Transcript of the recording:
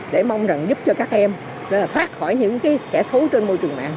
để mong rằng giúp cho các em thoát khỏi những kẻ xấu trên môi trường mạng